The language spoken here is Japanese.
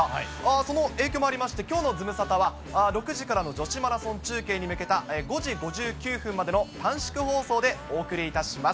その影響もありまして、きょうのズムサタは、６時からの女子マラソン中継に向けた、５時５９分までの短縮放送でお送りいたします。